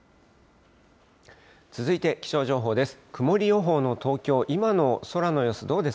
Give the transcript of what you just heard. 続いて気象情報です。